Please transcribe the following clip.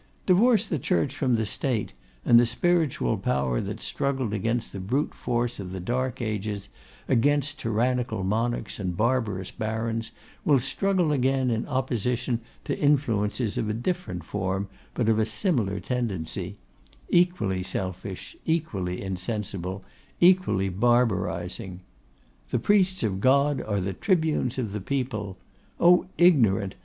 Divorce the Church from the State, and the spiritual power that struggled against the brute force of the dark ages, against tyrannical monarchs and barbarous barons, will struggle again in opposition to influences of a different form, but of a similar tendency; equally selfish, equally insensible, equally barbarising. The priests of God are the tribunes of the people. O, ignorant!